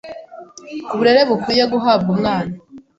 ku burere bukwiye guhabwa umwana,